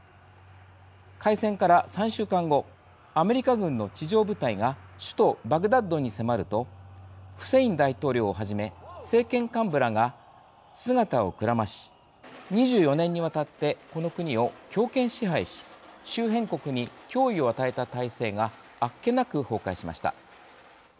開戦から３週間後アメリカ軍の地上部隊が首都バグダッドに迫るとフセイン大統領をはじめ政権幹部らが姿をくらまし２４年にわたってこの国を強権支配し周辺国に脅威を与えた体制があっけなく崩壊しました。